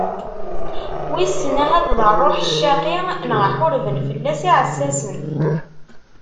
Wisen ahat d ṛṛuḥ ccaqi neɣ ḥurben fell-as yiɛessasen.